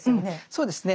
そうですね。